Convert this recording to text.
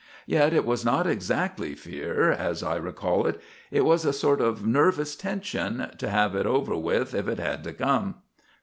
Yet it was not exactly fear, as I recall it; it was a sort of nervous tension to have it over with if it had to come.